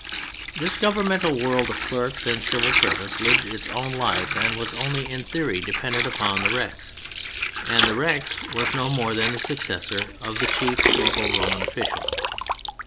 This governmental world of clerks and civil servants lived its own life and was only in theory dependent upon the Rex, and the Rex was no more than the successor of the chief local Roman official.